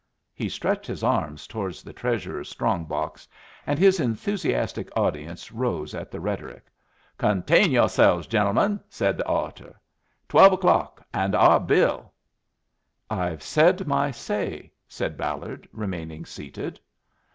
He stretched his arm towards the Treasurer's strong box, and his enthusiastic audience rose at the rhetoric. "Contain yo'selves, gentlemen," said the orator. "Twelve o'clock and our bill!" "I've said my say," said Ballard, remaining seated.